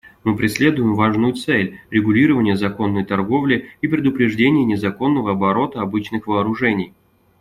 Мы преследуем важную цель — регулирование законной торговли и предупреждение незаконного оборота обычных вооружений.